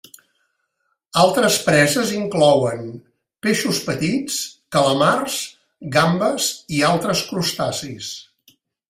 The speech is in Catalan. Altres preses inclouen: peixos petits, calamars, gambes i altres crustacis.